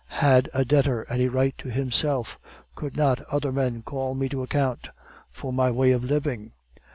Has a debtor any right to himself? Could not other men call me to account for my way of living?